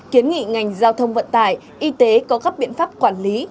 kiến nghị ngành giao thông vận tải y tế có các biện pháp quản lý